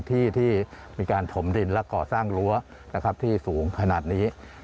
ที่ที่มีการถมดินและก่อสร้างรั้วนะครับที่สูงขนาดนี้